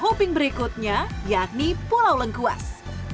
hobi berikutnya yakni pulau lengkuas